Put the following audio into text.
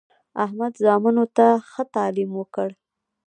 احمد زامنو ته ښه تعلیم وکړ.